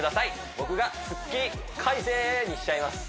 僕がスッキリ快晴にしちゃいます！